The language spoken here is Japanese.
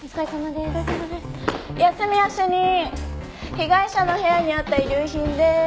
安洛主任被害者の部屋にあった遺留品です。